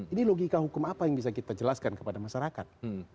ini logika hukum apa yang bisa kita jelaskan kepada masyarakat